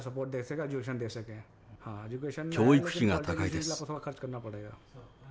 教育費が高いです。